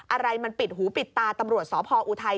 อะไรมันปิดหูปิดตาตำรวจสพออุทัย